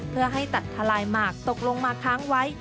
เพื่อให้ตัดทลายหมากตกลงมาค้างไว้